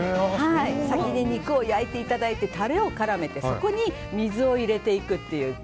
先に肉を焼いていただいてタレを絡めてそこに水を入れていくという。